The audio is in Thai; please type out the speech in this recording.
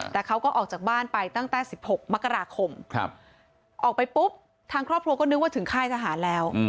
แต่เขาก็ออกจากบ้านไปตั้งแต่๑๖มกราคมออกไปปุ๊บทางครอบครัวก็นึกว่าถึงค่ายทหารแล้ว